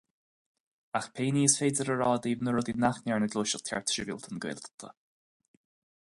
Ach pé ní is féidir a rá i dtaobh na rudaí nach ndearna Gluaiseacht Chearta Sibhialta na Gaeltachta.